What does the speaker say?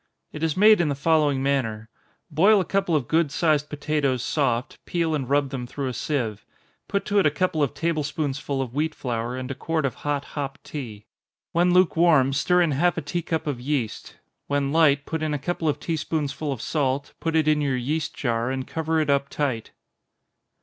It is made in the following manner: boil a couple of good, sized potatoes soft peel and rub them through a sieve put to it a couple of table spoonsful of wheat flour, and a quart of hot hop tea when lukewarm, stir in half a tea cup of yeast when light, put in a couple of tea spoonsful of salt, put it in your yeast jar, and cover it up tight.